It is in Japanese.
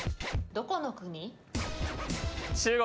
どこの国？